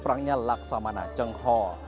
seorangnya laksamana cenghoa